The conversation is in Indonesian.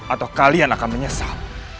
atau kalian akan menyesal